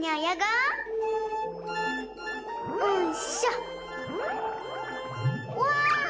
うわ！